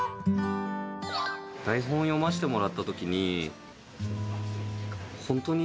台本を読ましてもらったときに。